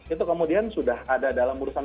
itu kemudian sudah ada dalam urusan